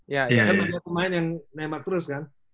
ya kan ada pemain yang nembak terus kan